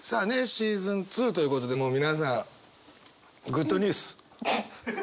シーズン２ということでもう皆さんグッドニュース。